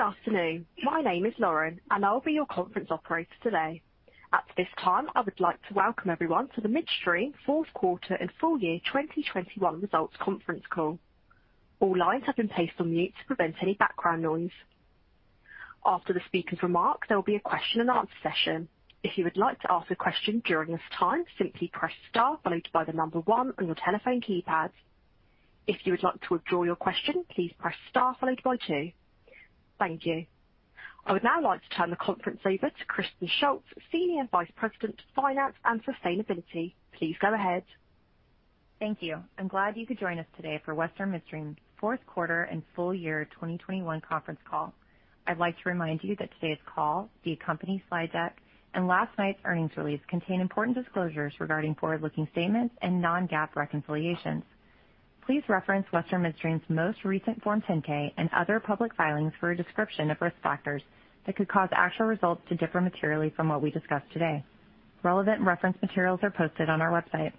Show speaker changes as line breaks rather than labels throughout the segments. Good afternoon. My name is Lauren, and I'll be your conference operator today. At this time, I would like to welcome everyone to the Western Midstream fourth quarter and full year 2021 results conference call. All lines have been placed on mute to prevent any background noise. After the speaker's remarks, there will be a question and answer session. If you would like to ask a question during this time, simply press star followed by the number 1 on your telephone keypad. If you would like to withdraw your question, please press star followed by 2. Thank you. I would now like to turn the conference over to Kristen Shults, Senior Vice President, Finance and Sustainability. Please go ahead.
Thank you. I'm glad you could join us today for Western Midstream fourth quarter and full year 2021 conference call. I'd like to remind you that today's call, the accompanying slide deck and last night's earnings release contain important disclosures regarding forward-looking statements and non-GAAP reconciliations. Please reference Western Midstream's most recent Form 10-K and other public filings for a description of risk factors that could cause actual results to differ materially from what we discuss today. Relevant reference materials are posted on our website.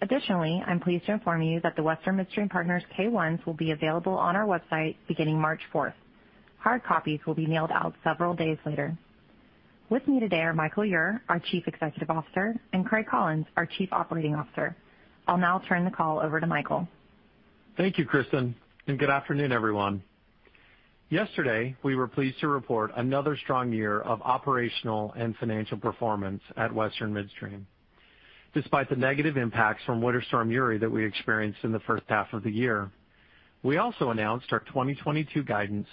Additionally, I'm pleased to inform you that the Western Midstream Partners K-1s will be available on our website beginning March 4. Hard copies will be mailed out several days later. With me today are Michael Ure, our Chief Executive Officer, and Craig Collins, our Chief Operating Officer. I'll now turn the call over to Michael.
Thank you, Kristen, and good afternoon, everyone. Yesterday, we were pleased to report another strong year of operational and financial performance at Western Midstream. Despite the negative impacts from Winter Storm Uri that we experienced in the first half of the year, we also announced our 2022 guidance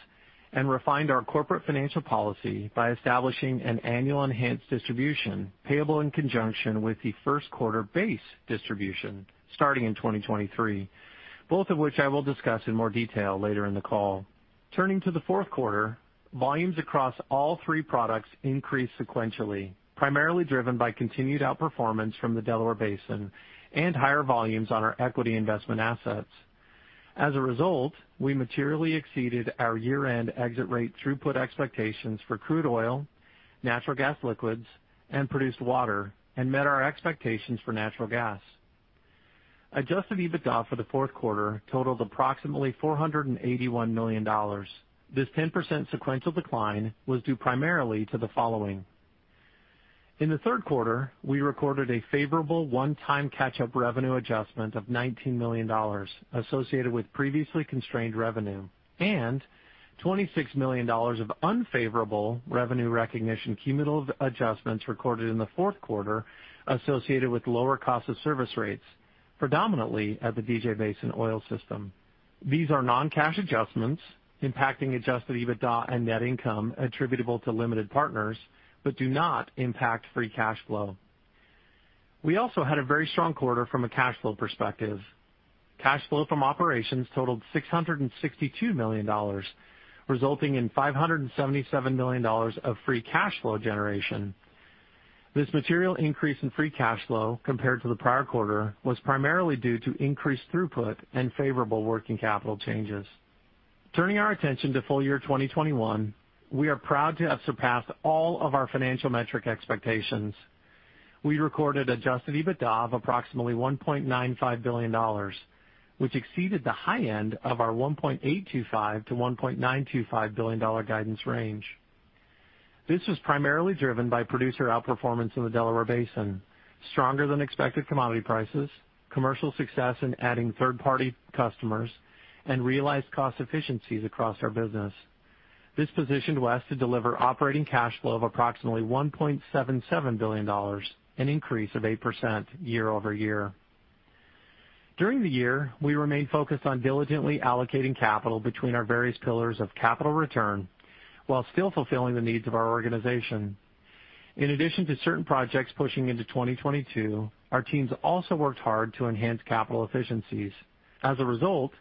and refined our corporate financial policy by establishing an annual enhanced distribution payable in conjunction with the first quarter base distribution starting in 2023, both of which I will discuss in more detail later in the call. Turning to the fourth quarter, volumes across all three products increased sequentially, primarily driven by continued outperformance from the Delaware Basin and higher volumes on our equity investment assets. As a result, we materially exceeded our year-end exit rate throughput expectations for crude oil, natural gas liquids, and produced water, and met our expectations for natural gas. Adjusted EBITDA for the fourth quarter totaled approximately $481 million. This 10% sequential decline was due primarily to the following. In the third quarter, we recorded a favorable one-time catch-up revenue adjustment of $19 million associated with previously constrained revenue and $26 million of unfavorable revenue recognition cumulative adjustments recorded in the fourth quarter associated with lower cost of service rates, predominantly at the DJ Basin oil system. These are non-cash adjustments impacting adjusted EBITDA and net income attributable to limited partners, but do not impact free cash flow. We also had a very strong quarter from a cash flow perspective. Cash flow from operations totaled $662 million, resulting in $577 million of free cash flow generation. This material increase in free cash flow compared to the prior quarter was primarily due to increased throughput and favorable working capital changes. Turning our attention to full year 2021, we are proud to have surpassed all of our financial metric expectations. We recorded adjusted EBITDA of approximately $1.95 billion, which exceeded the high end of our $1.825 billion-$1.925 billion guidance range. This was primarily driven by producer outperformance in the Delaware Basin, stronger than expected commodity prices, commercial success in adding third-party customers, and realized cost efficiencies across our business. This positioned WES to deliver operating cash flow of approximately $1.77 billion, an increase of 8% year-over-year. During the year, we remained focused on diligently allocating capital between our various pillars of capital return while still fulfilling the needs of our organization. In addition to certain projects pushing into 2022, our teams also worked hard to enhance capital efficiencies. As a result,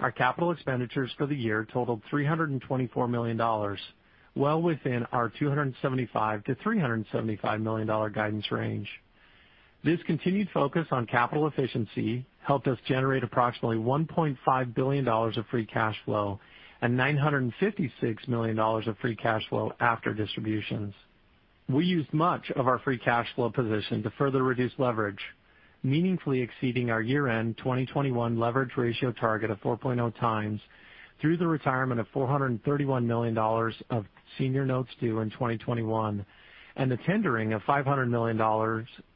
our capital expenditures for the year totaled $324 million, well within our $275 million-$375 million guidance range. This continued focus on capital efficiency helped us generate approximately $1.5 billion of free cash flow and $956 million of free cash flow after distributions. We used much of our free cash flow position to further reduce leverage, meaningfully exceeding our year-end 2021 leverage ratio target of 4.0 times through the retirement of $431 million of senior notes due in 2021 and the tendering of $500 million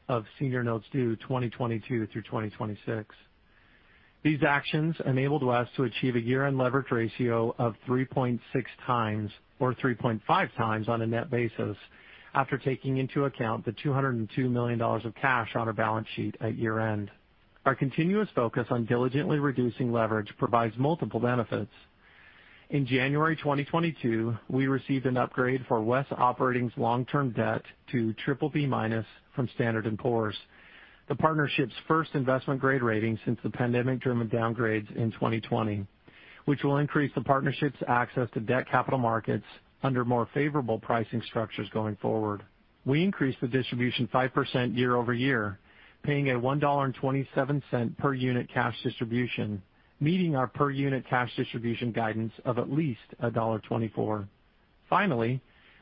of senior notes due 2022 through 2026. These actions enabled us to achieve a year-end leverage ratio of 3.6 times or 3.5 times on a net basis after taking into account the $202 million of cash on our balance sheet at year-end. Our continuous focus on diligently reducing leverage provides multiple benefits. In January 2022, we received an upgrade for WES Operating's long-term debt to BBB- from Standard & Poor's, the partnership's first investment-grade rating since the pandemic-driven downgrades in 2020, which will increase the partnership's access to debt capital markets under more favorable pricing structures going forward. We increased the distribution 5% year-over-year, paying a $1.27 per unit cash distribution, meeting our per unit cash distribution guidance of at least $1.24. Finally,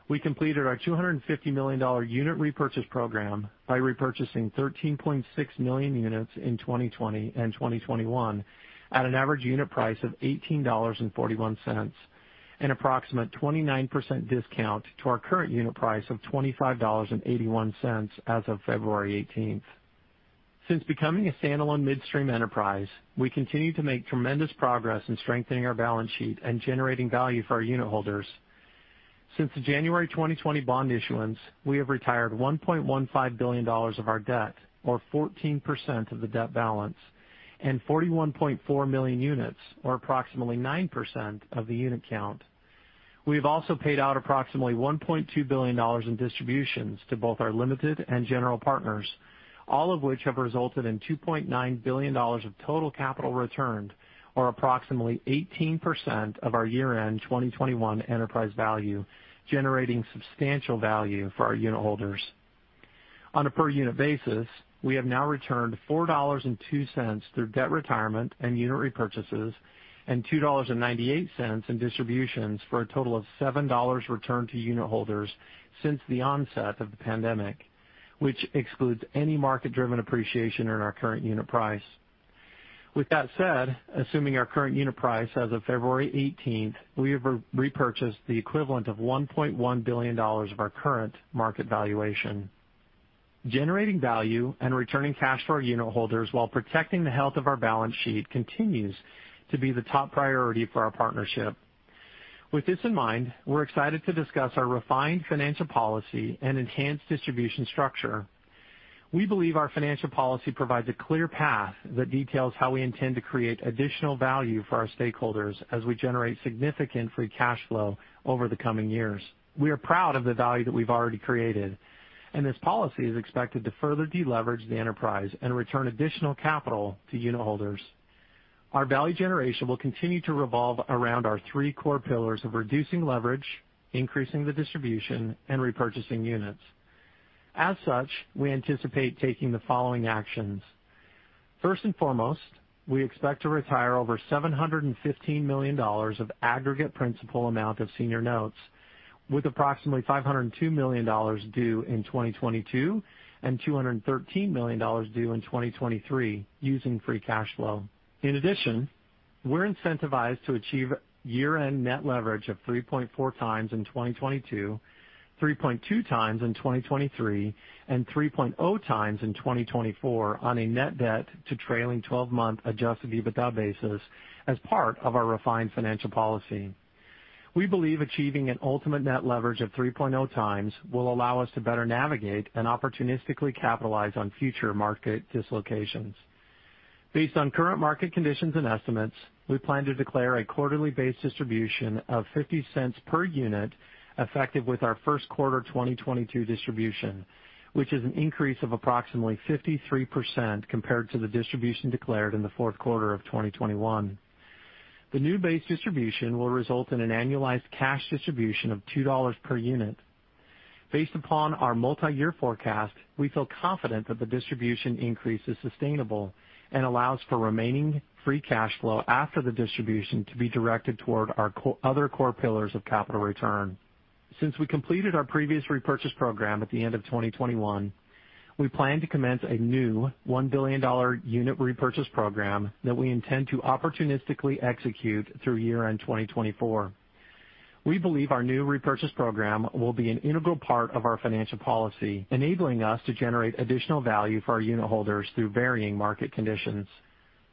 we completed our $250 million unit repurchase program by repurchasing 13.6 million units in 2020 and 2021 at an average unit price of $18.41, an approximate 29% discount to our current unit price of $25.81 as of February 18. Since becoming a standalone midstream enterprise, we continue to make tremendous progress in strengthening our balance sheet and generating value for our unit holders. Since the January 2020 bond issuance, we have retired $1.15 billion of our debt, or 14% of the debt balance, and 41.4 million units, or approximately 9% of the unit count. We have also paid out approximately $1.2 billion in distributions to both our limited and general partners, all of which have resulted in $2.9 billion of total capital returned, or approximately 18% of our year-end 2021 enterprise value, generating substantial value for our unit holders. On a per unit basis, we have now returned $4.02 through debt retirement and unit repurchases and $2.98 in distributions for a total of $7 returned to unit holders since the onset of the pandemic, which excludes any market driven appreciation in our current unit price. With that said, assuming our current unit price as of February 18, we have repurchased the equivalent of $1.1 billion of our current market valuation. Generating value and returning cash to our unit holders while protecting the health of our balance sheet continues to be the top priority for our partnership. With this in mind, we're excited to discuss our refined financial policy and enhanced distribution structure. We believe our financial policy provides a clear path that details how we intend to create additional value for our stakeholders as we generate significant free cash flow over the coming years. We are proud of the value that we've already created, and this policy is expected to further deleverage the enterprise and return additional capital to unit holders. Our value generation will continue to revolve around our three core pillars of reducing leverage, increasing the distribution, and repurchasing units. As such, we anticipate taking the following actions. First and foremost, we expect to retire over $715 million of aggregate principal amount of senior notes with approximately $502 million due in 2022 and $213 million due in 2023 using free cash flow. In addition, we're incentivized to achieve year-end net leverage of 3.4 times in 2022, 3.2 times in 2023, and 3.0 times in 2024 on a net debt to trailing twelve-month adjusted EBITDA basis as part of our refined financial policy. We believe achieving an ultimate net leverage of 3.0 times will allow us to better navigate and opportunistically capitalize on future market dislocations. Based on current market conditions and estimates, we plan to declare a quarterly-based distribution of $0.50 per unit effective with our first quarter 2022 distribution, which is an increase of approximately 53% compared to the distribution declared in the fourth quarter of 2021. The new base distribution will result in an annualized cash distribution of $2 per unit. Based upon our multiyear forecast, we feel confident that the distribution increase is sustainable and allows for remaining free cash flow after the distribution to be directed toward our other core pillars of capital return. Since we completed our previous repurchase program at the end of 2021, we plan to commence a new $1 billion unit repurchase program that we intend to opportunistically execute through year-end 2024. We believe our new repurchase program will be an integral part of our financial policy, enabling us to generate additional value for our unit holders through varying market conditions.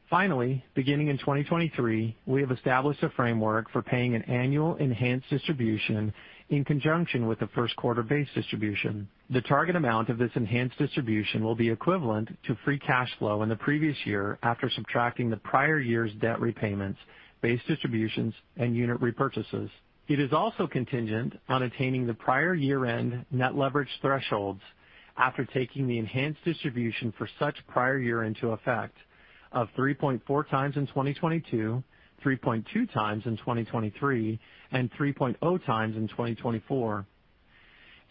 Finally, beginning in 2023, we have established a framework for paying an annual enhanced distribution in conjunction with the first quarter base distribution. The target amount of this enhanced distribution will be equivalent to free cash flow in the previous year after subtracting the prior year's debt repayments, base distributions, and unit repurchases. It is also contingent on attaining the prior year-end net leverage thresholds after taking the enhanced distribution for such prior year into effect of 3.4 times in 2022, 3.2 times in 2023, and 3.0 times in 2024.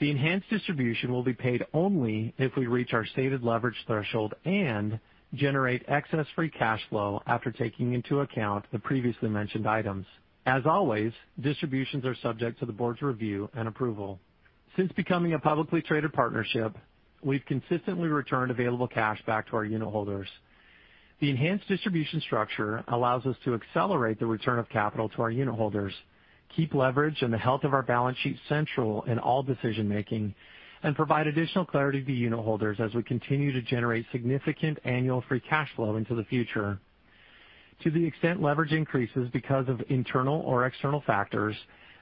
The enhanced distribution will be paid only if we reach our stated leverage threshold and generate excess free cash flow after taking into account the previously mentioned items. As always, distributions are subject to the board's review and approval. Since becoming a publicly traded partnership, we've consistently returned available cash back to our unit holders. The enhanced distribution structure allows us to accelerate the return of capital to our unit holders, keep leverage and the health of our balance sheet central in all decision making, and provide additional clarity to unit holders as we continue to generate significant annual free cash flow into the future. To the extent leverage increases because of internal or external factors,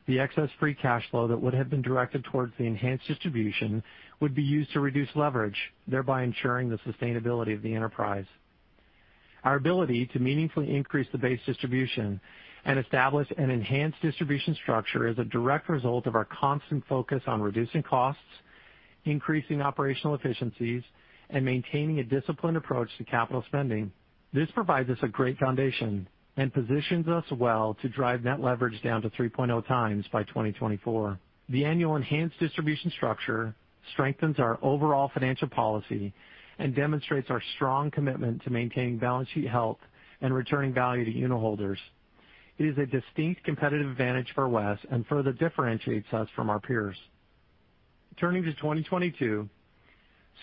the excess free cash flow that would have been directed towards the enhanced distribution would be used to reduce leverage, thereby ensuring the sustainability of the enterprise. Our ability to meaningfully increase the base distribution and establish an enhanced distribution structure is a direct result of our constant focus on reducing costs, increasing operational efficiencies, and maintaining a disciplined approach to capital spending. This provides us a great foundation and positions us well to drive net leverage down to 3.0 times by 2024. The annual enhanced distribution structure strengthens our overall financial policy and demonstrates our strong commitment to maintaining balance sheet health and returning value to unitholders. It is a distinct competitive advantage for WES and further differentiates us from our peers. Turning to 2022.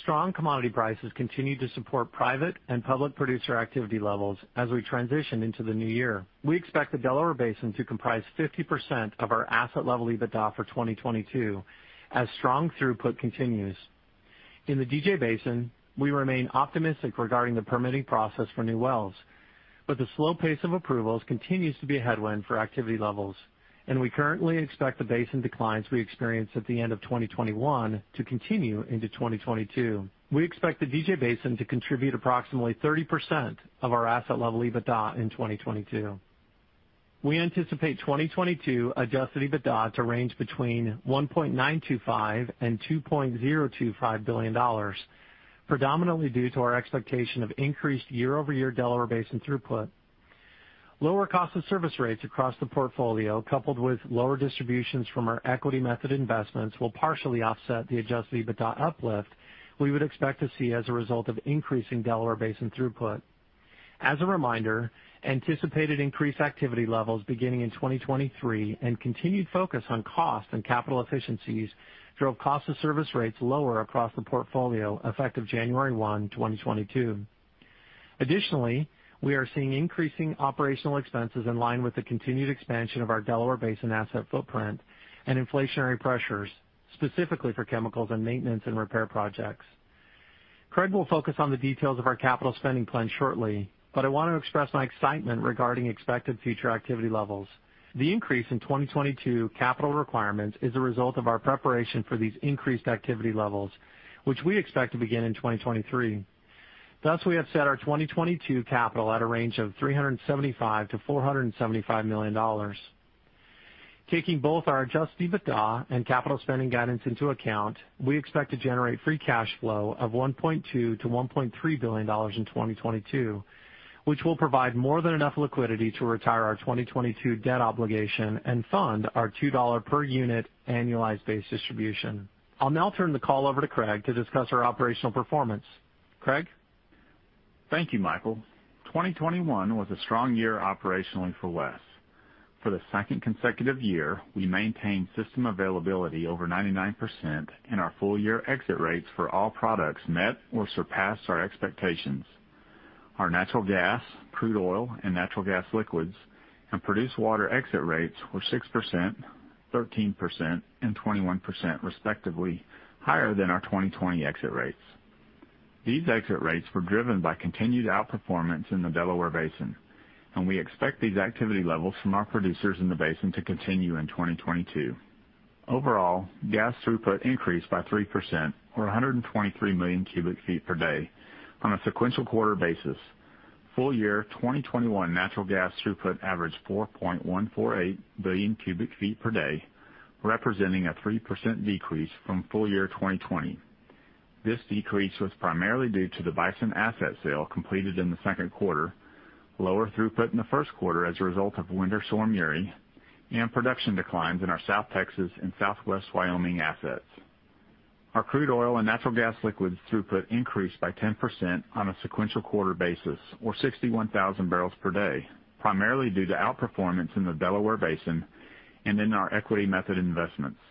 Strong commodity prices continue to support private and public producer activity levels as we transition into the new year. We expect the Delaware Basin to comprise 50% of our asset level EBITDA for 2022 as strong throughput continues. In the DJ Basin, we remain optimistic regarding the permitting process for new wells, but the slow pace of approvals continues to be a headwind for activity levels, and we currently expect the basin declines we experienced at the end of 2021 to continue into 2022. We expect the DJ Basin to contribute approximately 30% of our asset level EBITDA in 2022. We anticipate 2022 adjusted EBITDA to range between $1.925 billion and $2.025 billion, predominantly due to our expectation of increased year-over-year Delaware Basin throughput. Lower cost of service rates across the portfolio, coupled with lower distributions from our equity method investments, will partially offset the adjusted EBITDA uplift we would expect to see as a result of increasing Delaware Basin throughput. As a reminder, anticipated increased activity levels beginning in 2023 and continued focus on cost and capital efficiencies drove cost of service rates lower across the portfolio effective January 1, 2022. Additionally, we are seeing increasing operational expenses in line with the continued expansion of our Delaware Basin asset footprint and inflationary pressures, specifically for chemicals and maintenance and repair projects. Craig will focus on the details of our capital spending plan shortly, but I want to express my excitement regarding expected future activity levels. The increase in 2022 capital requirements is a result of our preparation for these increased activity levels, which we expect to begin in 2023. Thus, we have set our 2022 capital at a range of $375 million-$475 million. Taking both our adjusted EBITDA and capital spending guidance into account, we expect to generate free cash flow of $1.2 billion-$1.3 billion in 2022, which will provide more than enough liquidity to retire our 2022 debt obligation and fund our $2 per unit annualized base distribution. I'll now turn the call over to Craig to discuss our operational performance. Craig?
Thank you, Michael. 2021 was a strong year operationally for WES. For the second consecutive year, we maintained system availability over 99%, and our full year exit rates for all products met or surpassed our expectations. Our natural gas, crude oil, and natural gas liquids and produced water exit rates were 6%, 13%, and 21% respectively higher than our 2020 exit rates. These exit rates were driven by continued outperformance in the Delaware Basin, and we expect these activity levels from our producers in the basin to continue in 2022. Overall, gas throughput increased by 3% or 123 million cubic feet per day on a sequential quarter basis. Full year 2021 natural gas throughput averaged 4.148 billion cubic feet per day, representing a 3% decrease from full year 2020. This decrease was primarily due to the Bison asset sale completed in the second quarter, lower throughput in the first quarter as a result of Winter Storm Uri, and production declines in our South Texas and Southwest Wyoming assets. Our crude oil and natural gas liquids throughput increased by 10% on a sequential quarter basis or 61,000 barrels per day, primarily due to outperformance in the Delaware Basin and in our equity method investments.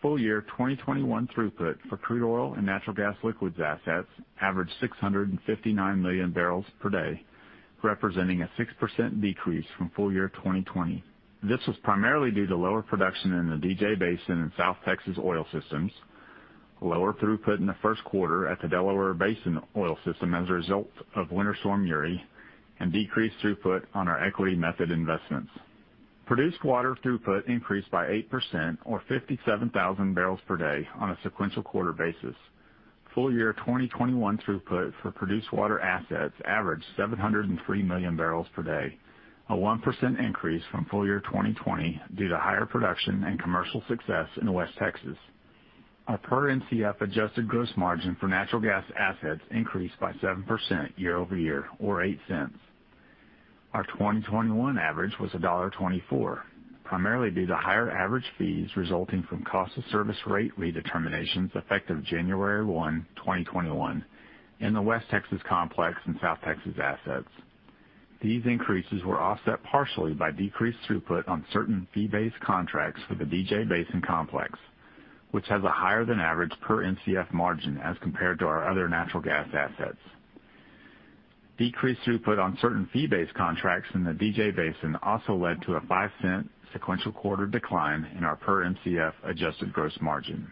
Full year 2021 throughput for crude oil and natural gas liquids assets averaged 659 million barrels per day, representing a 6% decrease from full year 2020. This was primarily due to lower production in the DJ Basin in South Texas oil systems, lower throughput in the first quarter at the Delaware Basin oil system as a result of Winter Storm Uri, and decreased throughput on our equity method investments. Produced water throughput increased by 8% or 57,000 barrels per day on a sequential quarter basis. Full year 2021 throughput for produced water assets averaged 703 million barrels per day, a 1% increase from full year 2020 due to higher production and commercial success in West Texas. Our per Mcf adjusted gross margin for natural gas assets increased by 7% year-over-year or $0.08. 2021 average was $1.24, primarily due to higher average fees resulting from cost of service rate redeterminations effective January 1, 2021 in the West Texas complex and South Texas assets. These increases were offset partially by decreased throughput on certain fee-based contracts for the DJ Basin complex, which has a higher than average per Mcf margin as compared to our other natural gas assets. Decreased throughput on certain fee-based contracts in the DJ Basin also led to a $0.05 sequential quarter decline in our per Mcf adjusted gross margin.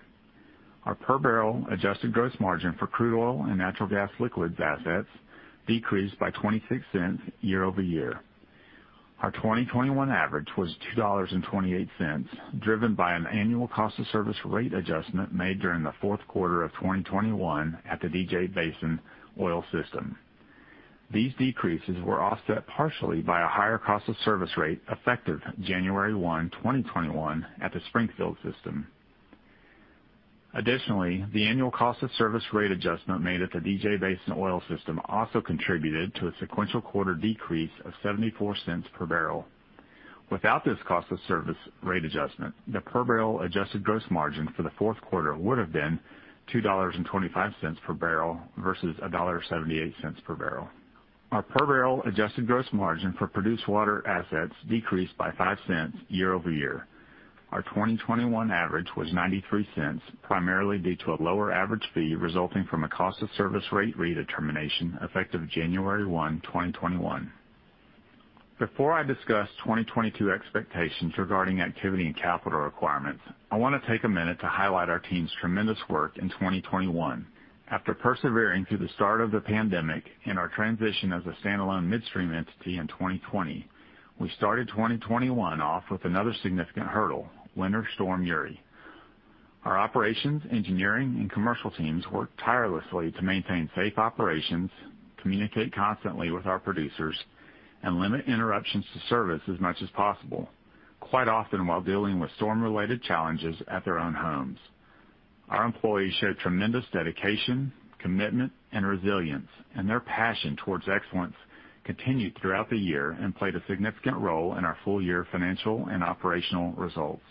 Our per barrel adjusted gross margin for crude oil and natural gas liquids assets decreased by $0.26 year-over-year. 2021 average was $2.28, driven by an annual cost of service rate adjustment made during the fourth quarter of 2021 at the DJ Basin oil system. These decreases were offset partially by a higher cost of service rate effective January 1, 2021 at the Springfield system. Additionally, the annual cost of service rate adjustment made at the DJ Basin oil system also contributed to a sequential quarter decrease of $0.74 per barrel. Without this cost of service rate adjustment, the per barrel adjusted gross margin for the fourth quarter would have been $2.25 per barrel versus $1.78 per barrel. Our per barrel adjusted gross margin for produced water assets decreased by $0.05 year over year. Our 2021 average was $0.93, primarily due to a lower average fee resulting from a cost of service rate redetermination effective January 1, 2021. Before I discuss 2022 expectations regarding activity and capital requirements, I wanna take a minute to highlight our team's tremendous work in 2021. After persevering through the start of the pandemic and our transition as a standalone midstream entity in 2020, we started 2021 off with another significant hurdle, Winter Storm Uri. Our operations, engineering, and commercial teams worked tirelessly to maintain safe operations, communicate constantly with our producers, and limit interruptions to service as much as possible, quite often while dealing with storm-related challenges at their own homes. Our employees showed tremendous dedication, commitment, and resilience, and their passion towards excellence continued throughout the year and played a significant role in our full year financial and operational results.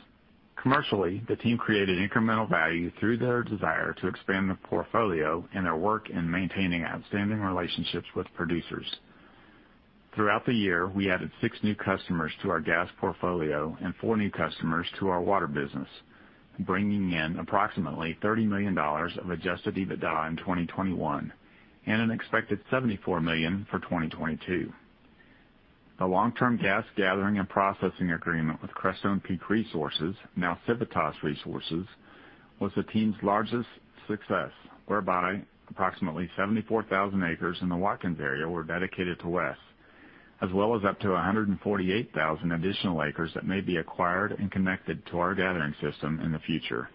Commercially, the team created incremental value through their desire to expand the portfolio and their work in maintaining outstanding relationships with producers. Throughout the year, we added 6 new customers to our gas portfolio and 4 new customers to our water business, bringing in approximately $30 million of adjusted EBITDA in 2021 and an expected $74 million for 2022. The long-term gas gathering and processing agreement with Crestone Peak Resources, now Civitas Resources, was the team's largest success, whereby approximately 74,000 acres in the Watkins area were dedicated to WES, as well as up to 148,000 additional acres that may be acquired and connected to our gathering system in the future.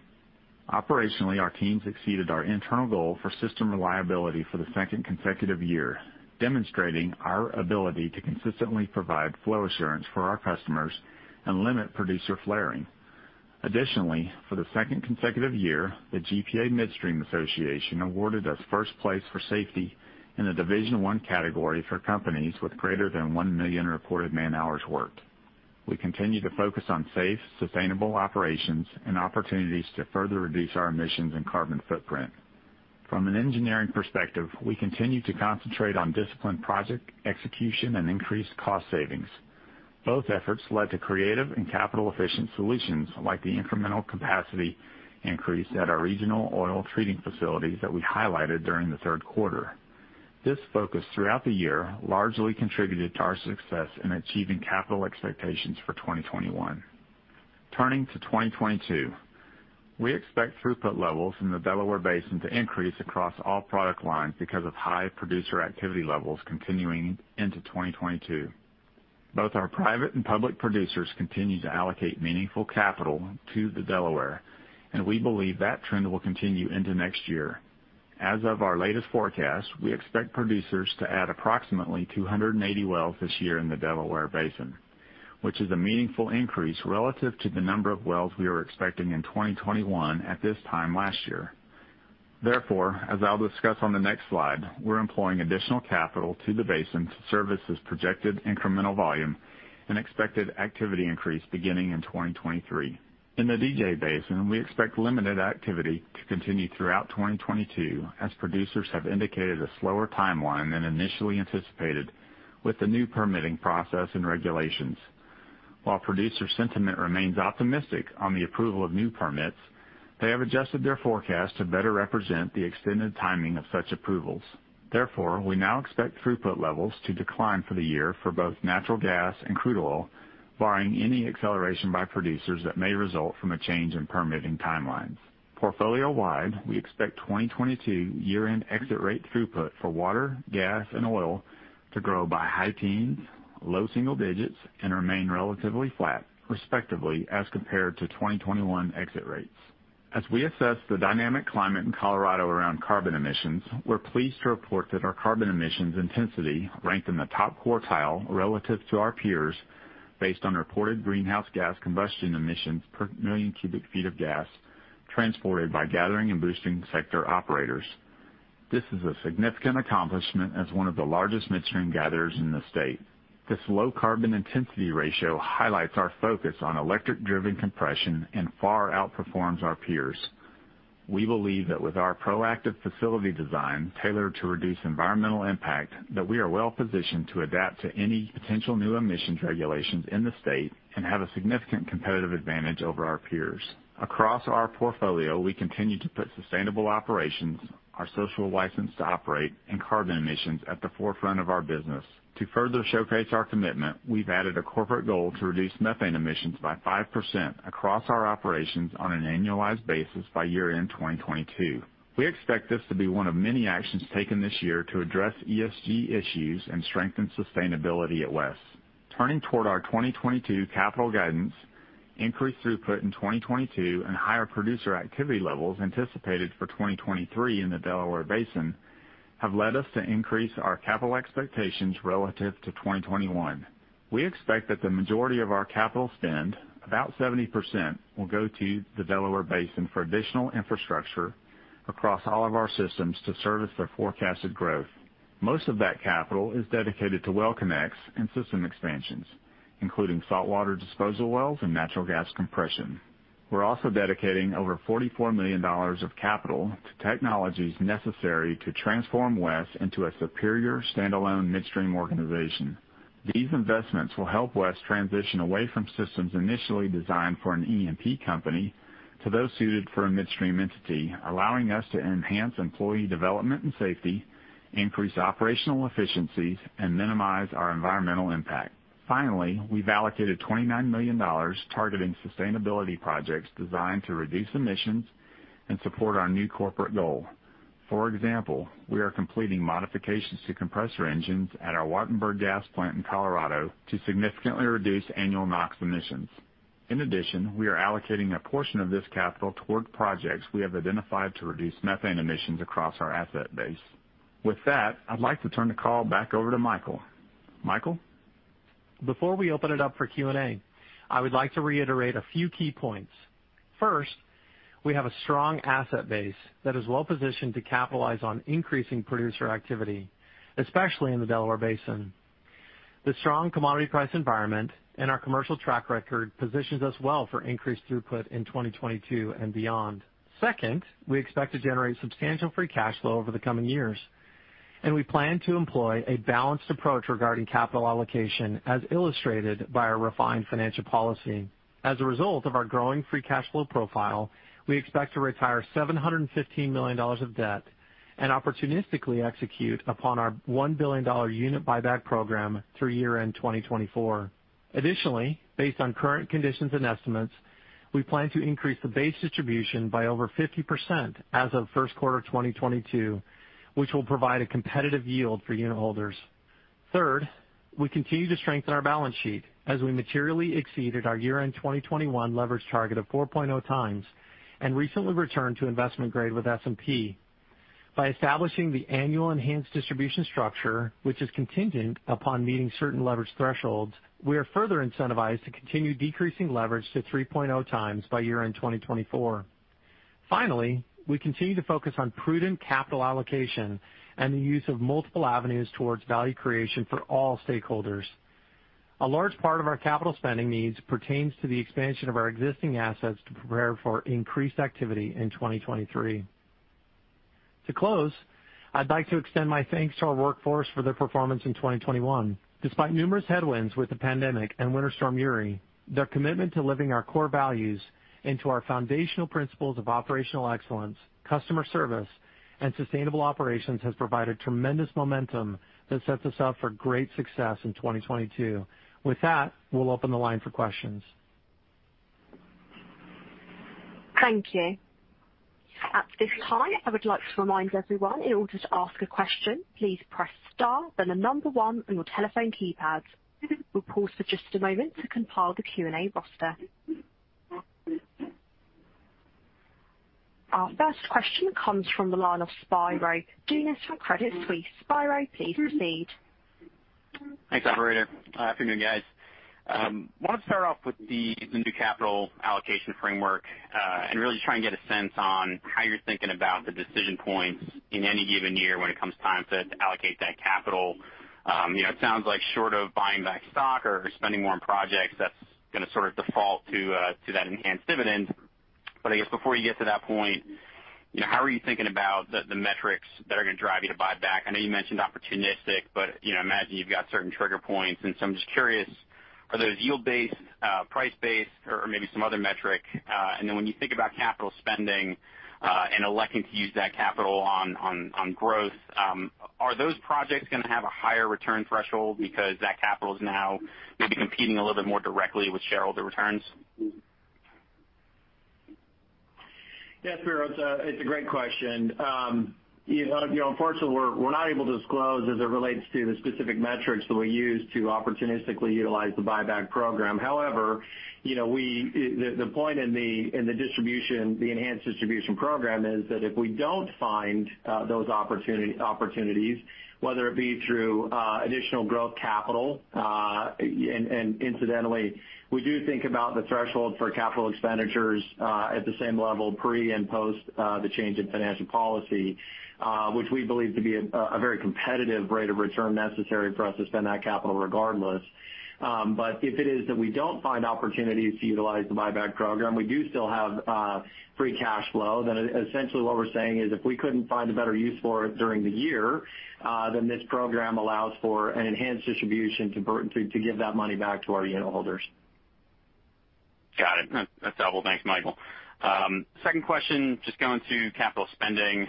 Operationally, our teams exceeded our internal goal for system reliability for the second consecutive year, demonstrating our ability to consistently provide flow assurance for our customers and limit producer flaring. Additionally, for the second consecutive year, the GPA Midstream Association awarded us first place for safety in the Division I category for companies with greater than 1 million reported man-hours worked. We continue to focus on safe, sustainable operations and opportunities to further reduce our emissions and carbon footprint. From an engineering perspective, we continue to concentrate on disciplined project execution and increased cost savings. Both efforts led to creative and capital-efficient solutions, like the incremental capacity increase at our regional oil treating facilities that we highlighted during the third quarter. This focus throughout the year largely contributed to our success in achieving capital expectations for 2021. Turning to 2022. We expect throughput levels in the Delaware Basin to increase across all product lines because of high producer activity levels continuing into 2022. Both our private and public producers continue to allocate meaningful capital to the Delaware, and we believe that trend will continue into next year. As of our latest forecast, we expect producers to add approximately 280 wells this year in the Delaware Basin, which is a meaningful increase relative to the number of wells we were expecting in 2021 at this time last year. Therefore, as I'll discuss on the next slide, we're employing additional capital to the basin to service this projected incremental volume and expected activity increase beginning in 2023. In the DJ Basin, we expect limited activity to continue throughout 2022, as producers have indicated a slower timeline than initially anticipated with the new permitting process and regulations. While producer sentiment remains optimistic on the approval of new permits, they have adjusted their forecast to better represent the extended timing of such approvals. Therefore, we now expect throughput levels to decline for the year for both natural gas and crude oil, barring any acceleration by producers that may result from a change in permitting timelines. Portfolio-wide, we expect 2022 year-end exit rate throughput for water, gas, and oil to grow by high teens%, low single digits%, and remain relatively flat, respectively, as compared to 2021 exit rates. As we assess the dynamic climate in Colorado around carbon emissions, we're pleased to report that our carbon emissions intensity ranked in the top quartile relative to our peers based on reported greenhouse gas combustion emissions per million cubic feet of gas transported by gathering and boosting sector operators. This is a significant accomplishment as one of the largest midstream gatherers in the state. This low carbon intensity ratio highlights our focus on electric-driven compression and far outperforms our peers. We believe that with our proactive facility design tailored to reduce environmental impact, that we are well positioned to adapt to any potential new emissions regulations in the state and have a significant competitive advantage over our peers. Across our portfolio, we continue to put sustainable operations, our social license to operate, and carbon emissions at the forefront of our business. To further showcase our commitment, we've added a corporate goal to reduce methane emissions by 5% across our operations on an annualized basis by year-end 2022. We expect this to be one of many actions taken this year to address ESG issues and strengthen sustainability at WES. Turning toward our 2022 capital guidance, increased throughput in 2022 and higher producer activity levels anticipated for 2023 in the Delaware Basin have led us to increase our capital expectations relative to 2021. We expect that the majority of our capital spend, about 70%, will go to the Delaware Basin for additional infrastructure across all of our systems to service their forecasted growth. Most of that capital is dedicated to well connects and system expansions, including saltwater disposal wells and natural gas compression. We're also dedicating over $44 million of capital to technologies necessary to transform WES into a superior standalone midstream organization. These investments will help WES transition away from systems initially designed for an E&P company to those suited for a midstream entity, allowing us to enhance employee development and safety, increase operational efficiencies, and minimize our environmental impact. Finally, we've allocated $29 million targeting sustainability projects designed to reduce emissions and support our new corporate goal. For example, we are completing modifications to compressor engines at our Wattenberg gas plant in Colorado to significantly reduce annual NOx emissions. In addition, we are allocating a portion of this capital toward projects we have identified to reduce methane emissions across our asset base. With that, I'd like to turn the call back over to Michael. Michael?
Before we open it up for Q&A, I would like to reiterate a few key points. First, we have a strong asset base that is well-positioned to capitalize on increasing producer activity, especially in the Delaware Basin. The strong commodity price environment and our commercial track record positions us well for increased throughput in 2022 and beyond. Second, we expect to generate substantial free cash flow over the coming years, and we plan to employ a balanced approach regarding capital allocation, as illustrated by our refined financial policy. As a result of our growing free cash flow profile, we expect to retire $715 million of debt and opportunistically execute upon our $1 billion unit buyback program through year-end 2024. Additionally, based on current conditions and estimates, we plan to increase the base distribution by over 50% as of first quarter of 2022, which will provide a competitive yield for unitholders. Third, we continue to strengthen our balance sheet as we materially exceeded our year-end 2021 leverage target of 4.0x and recently returned to investment grade with S&P. By establishing the annual enhanced distribution structure, which is contingent upon meeting certain leverage thresholds, we are further incentivized to continue decreasing leverage to 3.0x by year-end 2024. Finally, we continue to focus on prudent capital allocation and the use of multiple avenues towards value creation for all stakeholders. A large part of our capital spending needs pertains to the expansion of our existing assets to prepare for increased activity in 2023. To close, I'd like to extend my thanks to our workforce for their performance in 2021. Despite numerous headwinds with the pandemic and Winter Storm Uri, their commitment to living our core values into our foundational principles of operational excellence, customer service, and sustainable operations has provided tremendous momentum that sets us up for great success in 2022. With that, we'll open the line for questions.
Thank you. At this time, I would like to remind everyone, in order to ask a question, please press star, then the number one on your telephone keypad. We'll pause for just a moment to compile the Q&A roster. Our first question comes from the line of Spiro Dounis from Credit Suisse, please. Spiro, please proceed.
Thanks, operator. Afternoon, guys. Wanted to start off with the new capital allocation framework, and really just try and get a sense on how you're thinking about the decision points in any given year when it comes time to allocate that capital. You know, it sounds like short of buying back stock or spending more on projects, that's gonna sort of default to that enhanced dividend. But I guess before you get to that point, you know, how are you thinking about the metrics that are gonna drive you to buy back? I know you mentioned opportunistic, but, you know, imagine you've got certain trigger points. I'm just curious, are those yield-based, price-based or maybe some other metric? When you think about capital spending and electing to use that capital on growth, are those projects gonna have a higher return threshold because that capital is now maybe competing a little bit more directly with shareholder returns?
Yeah, Spiro, it's a great question. You know, unfortunately, we're not able to disclose as it relates to the specific metrics that we use to opportunistically utilize the buyback program. However, you know, the point in the distribution, the enhanced distribution program is that if we don't find those opportunities, whether it be through additional growth capital, and incidentally, we do think about the threshold for capital expenditures at the same level pre and post the change in financial policy, which we believe to be a very competitive rate of return necessary for us to spend that capital regardless. If it is that we don't find opportunities to utilize the buyback program, we do still have free cash flow. Essentially what we're saying is if we couldn't find a better use for it during the year, then this program allows for an enhanced distribution to give that money back to our unit holders.
Got it. That's helpful. Thanks, Michael. Second question, just going to capital spending.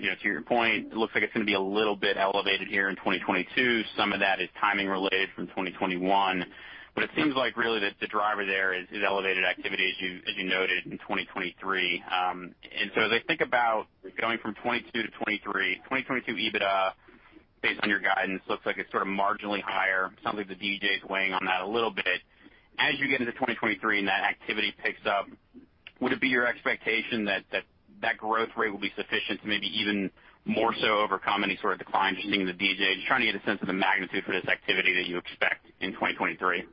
You know, to your point, it looks like it's gonna be a little bit elevated here in 2022. Some of that is timing related from 2021. It seems like really the driver there is elevated activity as you noted in 2023. As I think about going from 2022 to 2023, 2022 EBITDA, based on your guidance, looks like it's sort of marginally higher. Some of the DJ is weighing on that a little bit. As you get into 2023 and that activity picks up, would it be your expectation that that growth rate will be sufficient to maybe even more so overcome any sort of decline just seeing in the DJ? Just trying to get a sense of the magnitude for this activity that you expect in 2023.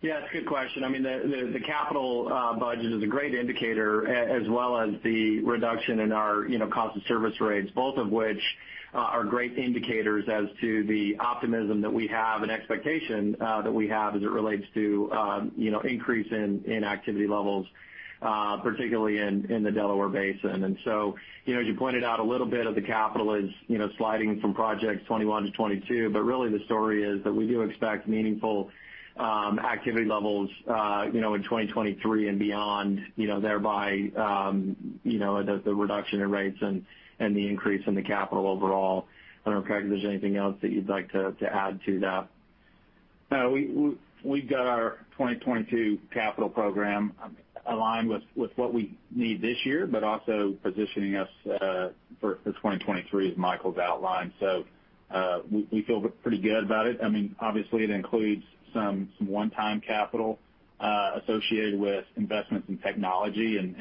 Yes, good question. I mean, the capital budget is a great indicator as well as the reduction in our, you know, cost of service rates, both of which are great indicators as to the optimism that we have and expectation that we have as it relates to, you know, increase in activity levels, particularly in the Delaware Basin. You know, as you pointed out, a little bit of the capital is, you know, sliding from projects 2021 to 2022, but really the story is that we do expect meaningful activity levels, you know, in 2023 and beyond, you know, thereby the reduction in rates and the increase in the capital overall. I don't know, Craig, if there's anything else that you'd like to add to that.
No. We've got our 2022 capital program aligned with what we need this year, but also positioning us for 2023, as Michael's outlined. We feel pretty good about it. I mean, obviously it includes some one-time capital associated with investments in technology and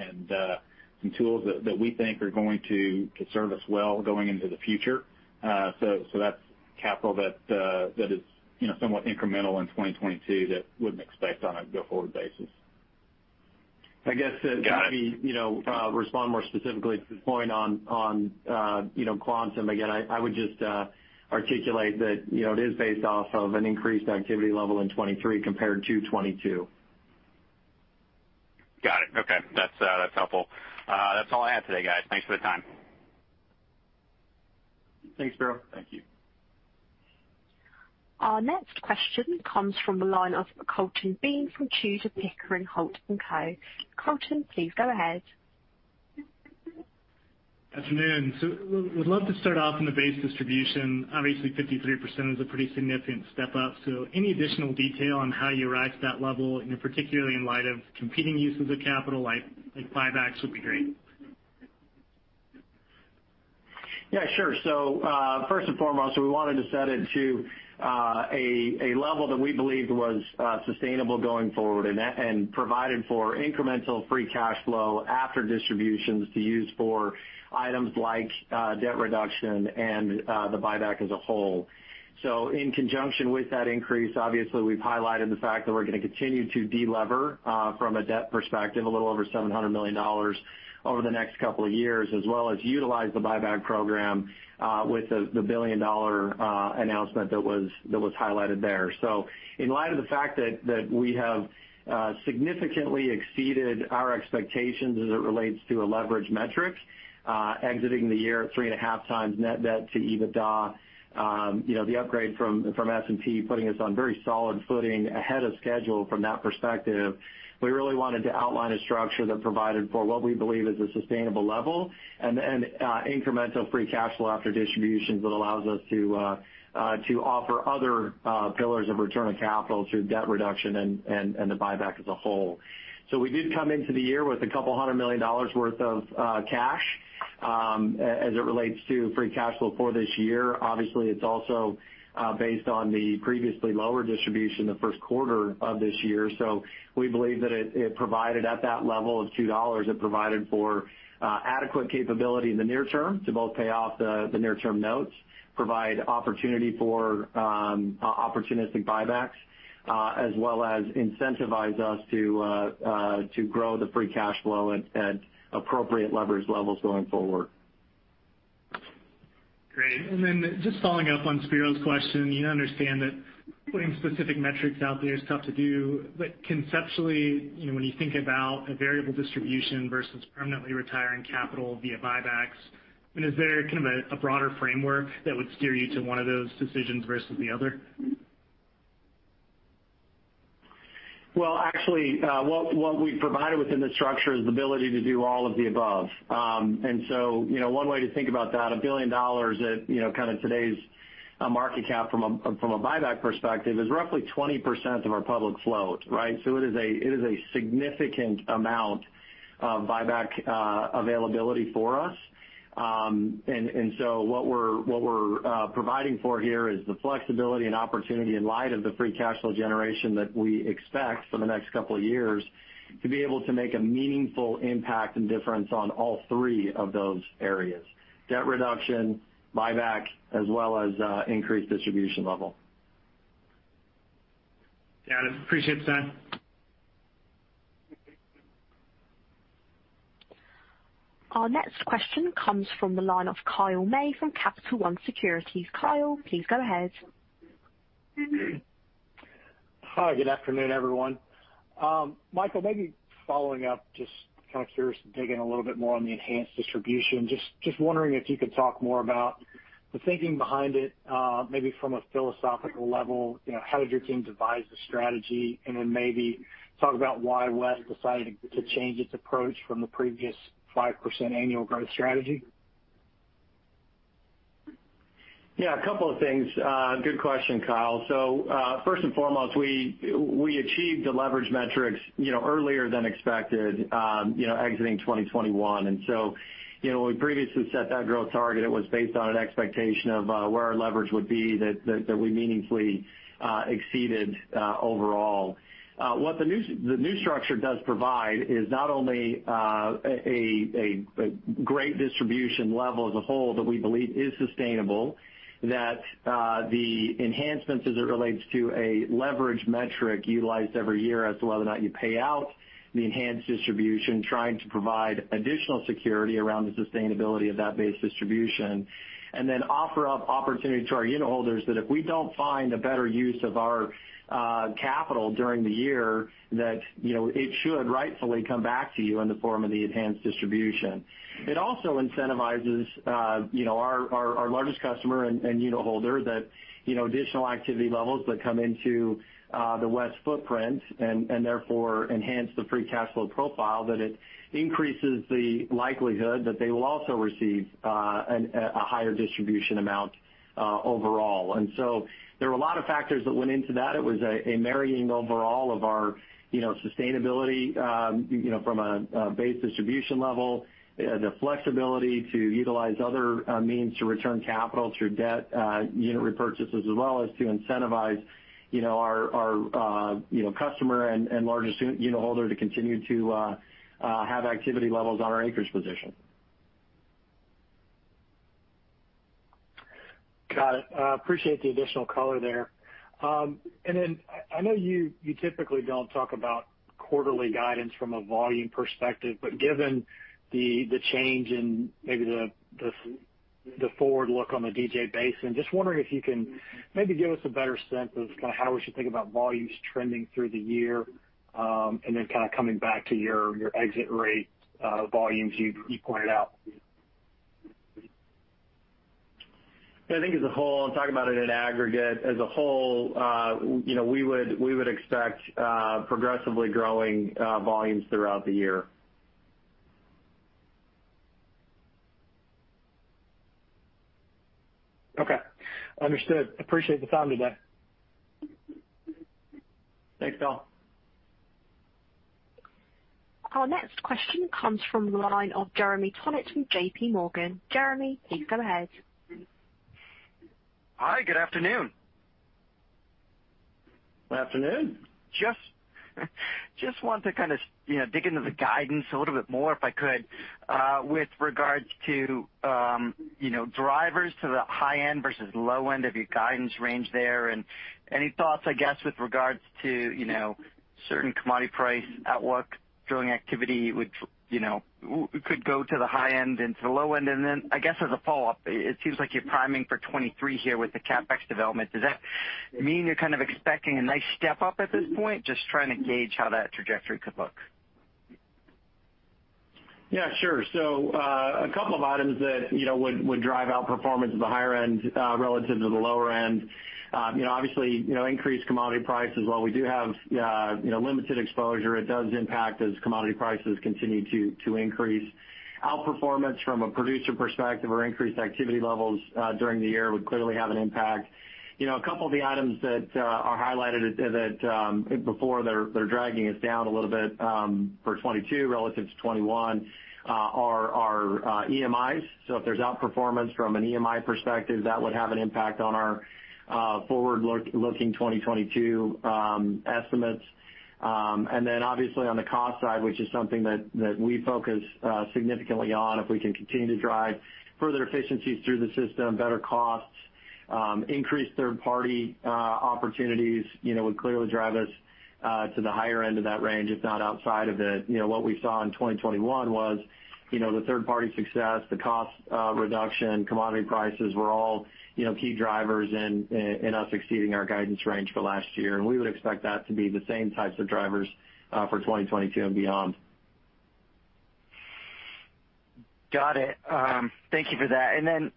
some tools that we think are going to serve us well going into the future. That's capital that is, you know, somewhat incremental in 2022 that wouldn't expect on a go-forward basis.
I guess to-
Got it.
You know, respond more specifically to the point on quantum, again, I would just articulate that, you know, it is based off of an increased activity level in 2023 compared to 2022.
Got it. Okay. That's helpful. That's all I have today, guys. Thanks for the time.
Thanks, Spiro.
Thank you.
Our next question comes from the line of Colton Bean from Tudor, Pickering, Holt & Co. Colton, please go ahead.
afternoon. We'd love to start off with the base distribution. Obviously, 53% is a pretty significant step up. Any additional detail on how you arrived at that level, and particularly in light of competing uses of capital like buybacks would be great.
Yeah, sure. First and foremost, we wanted to set it to a level that we believed was sustainable going forward and that provided for incremental free cash flow after distributions to use for items like debt reduction and the buyback as a whole. In conjunction with that increase, obviously we've highlighted the fact that we're gonna continue to delever from a debt perspective, a little over $700 million over the next couple of years, as well as utilize the buyback program with the $1 billion announcement that was highlighted there. In light of the fact that we have significantly exceeded our expectations as it relates to leverage metrics, exiting the year at 3.5x net debt to EBITDA, you know, the upgrade from S&P putting us on very solid footing ahead of schedule from that perspective, we really wanted to outline a structure that provided for what we believe is a sustainable level and incremental free cash flow after distributions that allows us to offer other pillars of return of capital through debt reduction and the buyback as a whole. We did come into the year with $200 million worth of cash as it relates to free cash flow for this year. Obviously, it's also based on the previously lower distribution in the first quarter of this year. We believe that it provided at that level of $2, it provided for adequate capability in the near term to both pay off the near-term notes, provide opportunity for opportunistic buybacks, as well as incentivize us to grow the free cash flow at appropriate leverage levels going forward.
Great. Just following up on Spiro's question, you understand that putting specific metrics out there is tough to do. Conceptually, you know, when you think about a variable distribution versus permanently retiring capital via buybacks, I mean, is there kind of a broader framework that would steer you to one of those decisions versus the other?
Well, actually, what we've provided within the structure is the ability to do all of the above. You know, one way to think about that, $1 billion at, you know, kind of today's market cap from a buyback perspective is roughly 20% of our public float, right? It is a significant amount of buyback availability for us. What we're providing for here is the flexibility and opportunity in light of the free cash flow generation that we expect for the next couple of years to be able to make a meaningful impact and difference on all three of those areas, debt reduction, buyback, as well as increased distribution level.
Got it. Appreciate the time.
Our next question comes from the line of Kyle May from Capital One Securities. Kyle, please go ahead.
Hi, good afternoon, everyone. Michael, maybe following up, just kind of curious to dig in a little bit more on the enhanced distribution. Just wondering if you could talk more about the thinking behind it, maybe from a philosophical level. You know, how did your team devise the strategy? Then maybe talk about why West decided to change its approach from the previous 5% annual growth strategy.
Yeah, a couple of things. Good question, Kyle. First and foremost, we achieved the leverage metrics, you know, earlier than expected, you know, exiting 2021. You know, when we previously set that growth target, it was based on an expectation of where our leverage would be that we meaningfully exceeded overall. What the new structure does provide is not only a great distribution level as a whole that we believe is sustainable, the enhancements as it relates to a leverage metric utilized every year as to whether or not you pay out the enhanced distribution, trying to provide additional security around the sustainability of that base distribution. offer up opportunity to our unitholders that if we don't find a better use of our capital during the year, that, you know, it should rightfully come back to you in the form of the enhanced distribution. It also incentivizes, you know, our largest customer and unitholder that, you know, additional activity levels that come into the WES footprint and therefore enhance the free cash flow profile, that it increases the likelihood that they will also receive a higher distribution amount overall. There were a lot of factors that went into that. It was a merging overall of our sustainability, you know, from a base distribution level, the flexibility to utilize other means to return capital through debt, unit repurchases, as well as to incentivize, you know, our customer and larger unitholder to continue to have activity levels on our acreage position.
Got it. Appreciate the additional color there. I know you typically don't talk about quarterly guidance from a volume perspective, but given the change in maybe the forward look on the DJ Basin, just wondering if you can maybe give us a better sense of kind of how we should think about volumes trending through the year, and then kind of coming back to your exit rate, volumes you pointed out.
Yeah, I think as a whole, I'm talking about it in aggregate. As a whole, you know, we would expect progressively growing volumes throughout the year.
Okay. Understood. Appreciate the time today.
Thanks, Kyle.
Our next question comes from the line of Jeremy Tonet from JPMorgan Jeremy, please go ahead.
Hi, good afternoon.
Good afternoon.
Just wanted to kind of, you know, dig into the guidance a little bit more, if I could, with regards to, you know, drivers to the high end versus low end of your guidance range there. Any thoughts, I guess, with regards to, you know, certain commodity price outlook, drilling activity, which, you know, could go to the high end and to the low end. I guess as a follow-up, it seems like you're priming for 2023 here with the CapEx development. Does that mean you're kind of expecting a nice step up at this point? Just trying to gauge how that trajectory could look.
Yeah, sure. A couple of items that, you know, would drive outperformance at the higher end relative to the lower end. You know, obviously, you know, increased commodity prices. While we do have, you know, limited exposure, it does impact as commodity prices continue to increase. Outperformance from a producer perspective or increased activity levels during the year would clearly have an impact. You know, a couple of the items that are highlighted that they're dragging us down a little bit for 2022 relative to 2021 are EMIs. If there's outperformance from an EMI perspective, that would have an impact on our forward-looking 2022 estimates. Obviously on the cost side, which is something that we focus significantly on, if we can continue to drive further efficiencies through the system, better costs, increase third-party opportunities, you know, would clearly drive us to the higher end of that range, if not outside of it. You know, what we saw in 2021 was, you know, the third-party success, the cost reduction, commodity prices were all, you know, key drivers in us exceeding our guidance range for last year. We would expect that to be the same types of drivers for 2022 and beyond.
Got it. Thank you for that.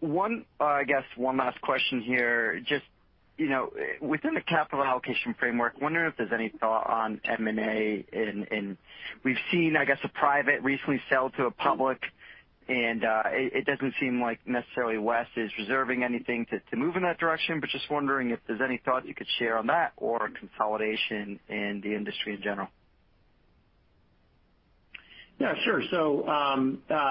One last question here. Just, you know, within the capital allocation framework, wondering if there's any thought on M&A in. We've seen, I guess, a private recently sell to a public, and it doesn't seem like necessarily WES is reserving anything to move in that direction. Just wondering if there's any thought you could share on that or consolidation in the industry in general.
Yeah, sure.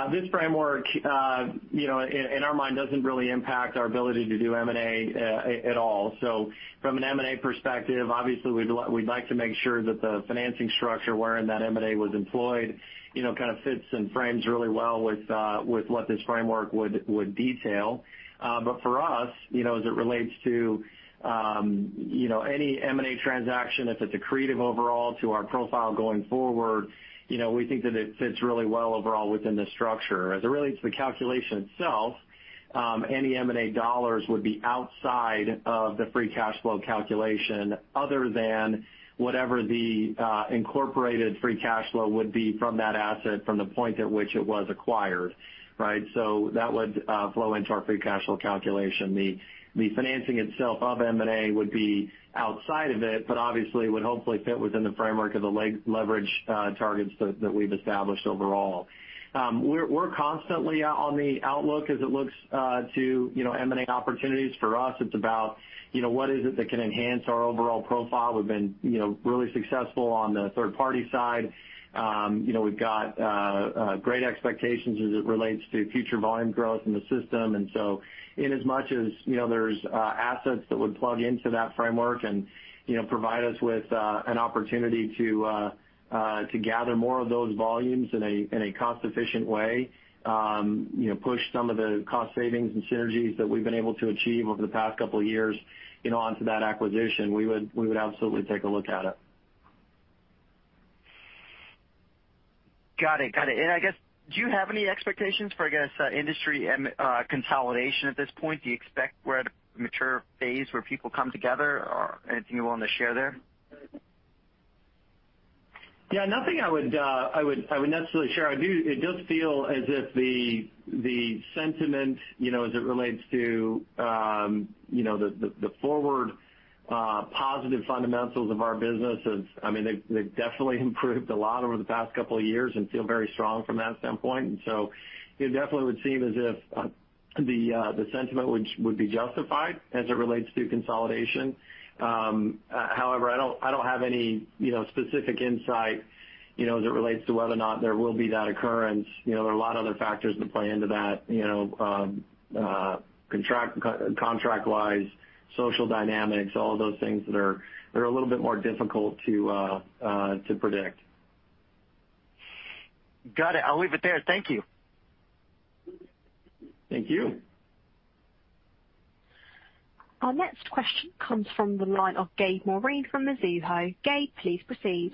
This framework, you know, in our mind, doesn't really impact our ability to do M&A at all. From an M&A perspective, obviously we'd like to make sure that the financing structure wherein that M&A was employed, you know, kind of fits and frames really well with what this framework would detail. For us, you know, as it relates to, you know, any M&A transaction, if it's accretive overall to our profile going forward, you know, we think that it fits really well overall within the structure. As it relates to the calculation itself, any M&A dollars would be outside of the free cash flow calculation other than whatever the incorporated free cash flow would be from that asset from the point at which it was acquired, right? That would flow into our free cash flow calculation. The financing itself of M&A would be outside of it, but obviously would hopefully fit within the framework of the leverage targets that we've established overall. We're constantly out on the lookout as it looks to you know M&A opportunities. For us, it's about you know what is it that can enhance our overall profile. We've been you know really successful on the third-party side. You know we've got great expectations as it relates to future volume growth in the system. In as much as, you know, there's assets that would plug into that framework and, you know, provide us with an opportunity to gather more of those volumes in a cost-efficient way, you know, push some of the cost savings and synergies that we've been able to achieve over the past couple of years, you know, onto that acquisition, we would absolutely take a look at it.
Got it. I guess, do you have any expectations for, I guess, industry and consolidation at this point? Do you expect we're at a mature phase where people come together or anything you're willing to share there?
Yeah, nothing I would necessarily share. It does feel as if the sentiment, you know, as it relates to, you know, the forward positive fundamentals of our business. I mean, they've definitely improved a lot over the past couple of years and feel very strong from that standpoint. It definitely would seem as if the sentiment would be justified as it relates to consolidation. However, I don't have any, you know, specific insight, you know, as it relates to whether or not there will be that occurrence. You know, there are a lot of other factors that play into that, you know, contract-wise, social dynamics, all of those things that are a little bit more difficult to predict.
Got it. I'll leave it there. Thank you.
Thank you.
Our next question comes from the line of Gabriel Moreen from Mizuho. Gabe, please proceed.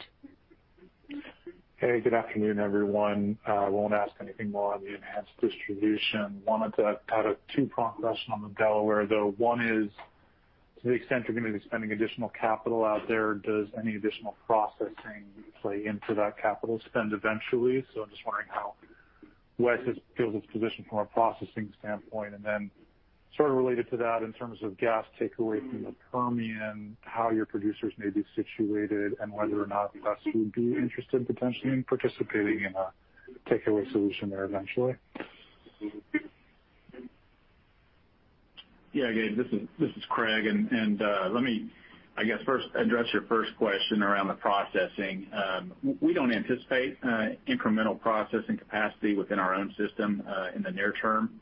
Hey, good afternoon, everyone. I won't ask anything more on the enhanced distribution. Had a two-prong question on the Delaware, though. One is, to the extent you're gonna be spending additional capital out there, does any additional processing play into that capital spend eventually? I'm just wondering how WES has built its position from a processing standpoint. Then sort of related to that, in terms of gas takeaway from the Permian, how your producers may be situated and whether or not WES would be interested potentially in participating in a takeaway solution there eventually.
Yeah. Gabriel, this is Craig. Let me, I guess, first address your first question around the processing. We don't anticipate incremental processing capacity within our own system in the near term.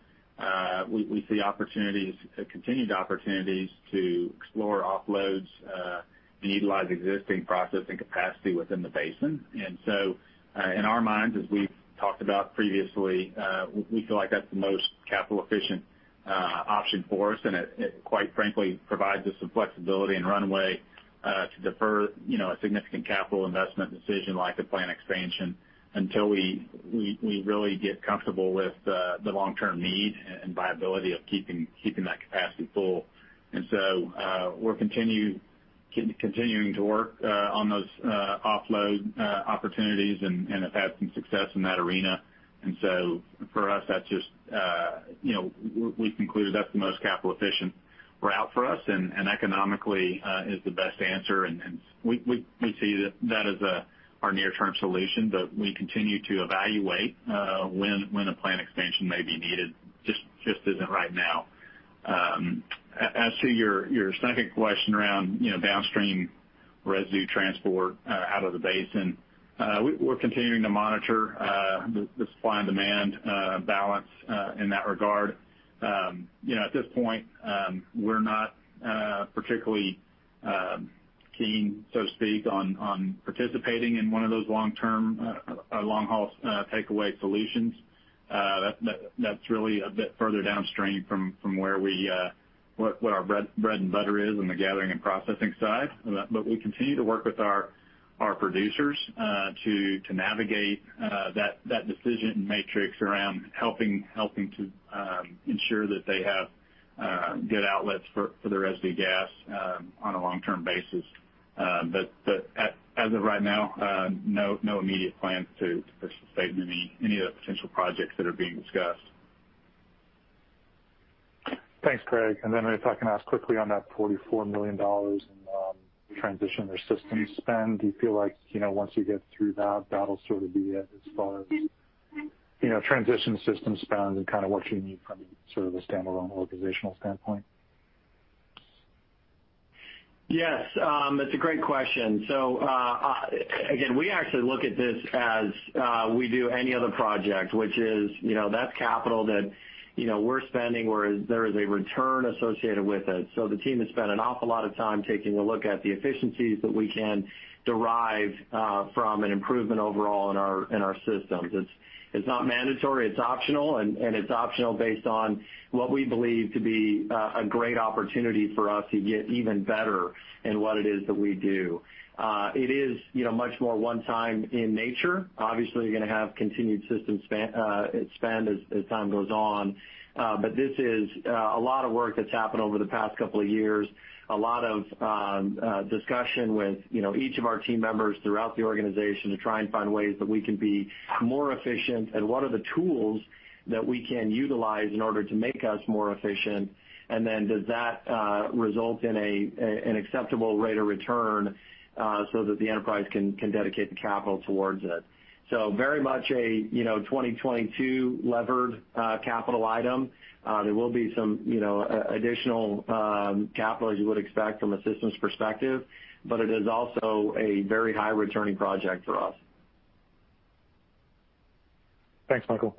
We see opportunities, continued opportunities to explore offloads and utilize existing processing capacity within the basin. In our minds, as we've talked about previously, we feel like that's the most capital-efficient option for us. It, quite frankly, provides us some flexibility and runway to defer, you know, a significant capital investment decision like a plant expansion until we really get comfortable with the long-term need and viability of keeping that capacity full. We're continuing to work on those offload opportunities and have had some success in that arena. For us, that's just, you know, we've concluded that's the most capital-efficient route for us and economically is the best answer. We see that as our near-term solution. We continue to evaluate when a plant expansion may be needed. Just isn't right now. As to your second question around, you know, downstream residue transport out of the basin, we're continuing to monitor the supply and demand balance in that regard. You know, at this point, we're not particularly keen, so to speak, on participating in one of those long-term long-haul takeaway solutions. That's really a bit further downstream from where our bread and butter is in the gathering and processing side. We continue to work with our producers to navigate that decision matrix around helping to ensure that they have good outlets for the residue gas on a long-term basis. As of right now, no immediate plans to participate in any of the potential projects that are being discussed.
Thanks, Craig. If I can ask quickly on that $44 million in transition or system spend. Do you feel like, you know, once you get through that'll sort of be it as far as, you know, transition system spend and kind of what you need from sort of a standalone organizational standpoint?
Yes, it's a great question. Again, we actually look at this as we do any other project, which is, you know, that's capital that, you know, we're spending, where there is a return associated with it. The team has spent an awful lot of time taking a look at the efficiencies that we can derive from an improvement overall in our systems. It's not mandatory, it's optional. It's optional based on what we believe to be a great opportunity for us to get even better in what it is that we do. It is, you know, much more one time in nature. Obviously, you're gonna have continued system spend as time goes on. This is a lot of work that's happened over the past couple of years. A lot of discussion with, you know, each of our team members throughout the organization to try and find ways that we can be more efficient and what are the tools that we can utilize in order to make us more efficient. Then does that result in an acceptable rate of return, so that the enterprise can dedicate the capital towards it. Very much a 2022 levered capital item. There will be some, you know, additional capital as you would expect from a systems perspective, but it is also a very high returning project for us.
Thanks, Michael.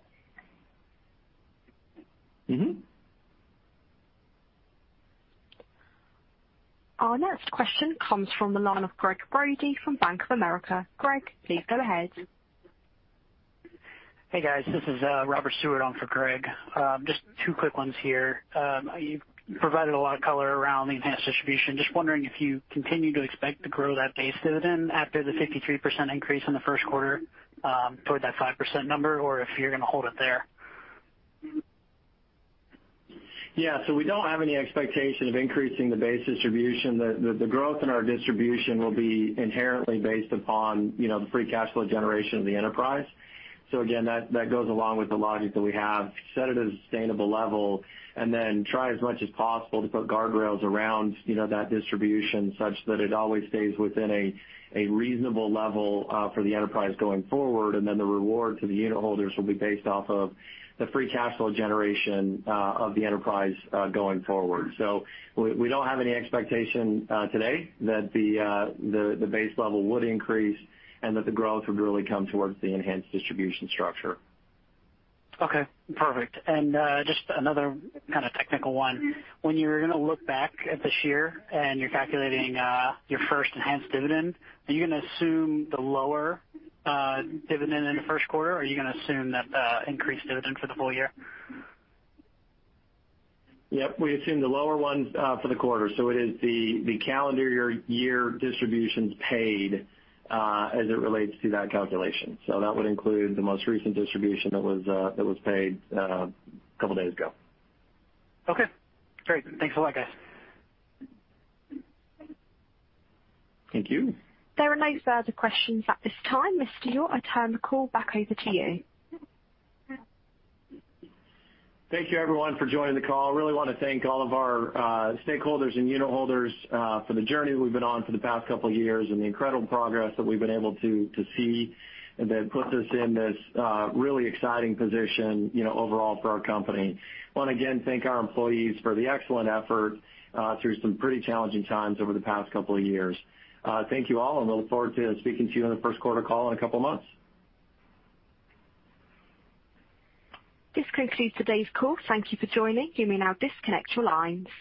Mm-hmm.
Our next question comes from the line of Gregg Brody from Bank of America. Greg, please go ahead.
Hey guys, this is Robert Stewart on for Gregg. Just two quick ones here. You've provided a lot of color around the enhanced distribution. Just wondering if you continue to expect to grow that base dividend after the 53% increase in the first quarter, toward that 5% number, or if you're gonna hold it there.
Yeah. We don't have any expectation of increasing the base distribution. The growth in our distribution will be inherently based upon, you know, the free cash flow generation of the enterprise. Again, that goes along with the logic that we have. Set it at a sustainable level and then try as much as possible to put guardrails around, you know, that distribution such that it always stays within a reasonable level for the enterprise going forward, and then the reward to the unitholders will be based off of the free cash flow generation of the enterprise going forward. We don't have any expectation today that the base level would increase and that the growth would really come towards the enhanced distribution structure.
Okay. Perfect. Just another kinda technical one. When you're gonna look back at this year and you're calculating your first enhanced dividend, are you gonna assume the lower dividend in the first quarter, or are you gonna assume that increased dividend for the full year?
Yep. We assume the lower ones for the quarter. It is the calendar year distributions paid as it relates to that calculation. That would include the most recent distribution that was paid a couple days ago.
Okay, great. Thanks a lot, guys.
Thank you.
There are no further questions at this time. Mr. Ure, I turn the call back over to you.
Thank you everyone for joining the call. Really wanna thank all of our stakeholders and unitholders for the journey we've been on for the past couple years and the incredible progress that we've been able to see and that puts us in this really exciting position, you know, overall for our company. Wanna again thank our employees for the excellent effort through some pretty challenging times over the past couple of years. Thank you all and look forward to speaking to you on the first quarter call in a couple months.
This concludes today's call. Thank you for joining. You may now disconnect your lines.